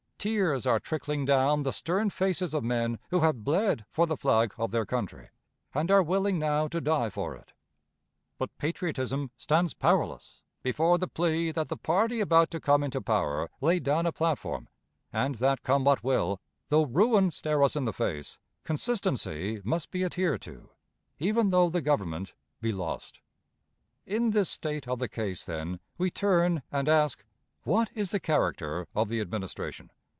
Tears are trickling down the stern faces of men who have bled for the flag of their country, and are willing now to die for it; but patriotism stands powerless before the plea that the party about to come into power laid down a platform, and that come what will, though ruin stare us in the face, consistency must be adhered to, even though the Government be lost. In this state of the case, then, we turn and ask, What is the character of the Administration?